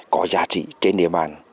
có giá trị trên địa bàn